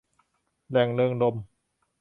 แหล่งเริงรมย์